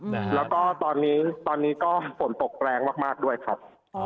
แล้วก็ตอนนี้ก็ฝนตกแรงมากด้วยครับ